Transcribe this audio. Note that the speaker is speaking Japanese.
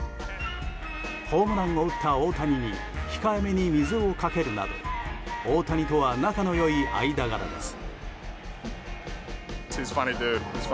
ホームランを打った大谷に控えめに水をかけるなど大谷とは仲の良い間柄です。